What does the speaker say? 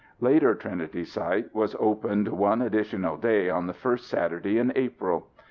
Later Trinity Site was opened one additional day on the first Saturday in April.